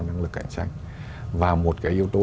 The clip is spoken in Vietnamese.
năng lực cạnh tranh và một cái yếu tố